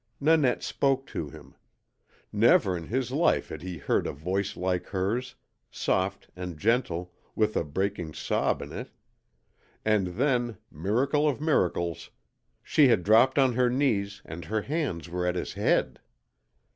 Nanette spoke to him. Never in his life had he heard a voice like hers soft and gentle, with a breaking sob in it; and then miracle of miracles she had dropped on her knees and her hands were at his head!